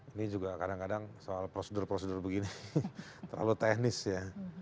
ini juga kadang kadang soal prosedur prosedur begini terlalu teknis ya